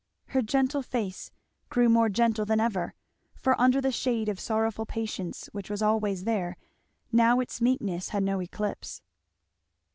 Her gentle face grew more gentle than ever, for under the shade of sorrowful patience which was always there now its meekness had no eclipse.